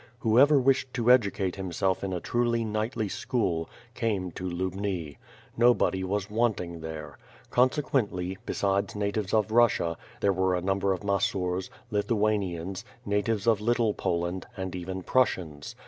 Whoever wished to educate himself in a truly knightly school, came to Lubni. Nobody was want ing there. Consequently, besides natives of Russia, there were a number of Masurs, Lithuanians, natives of Little Po land, and even Prussians.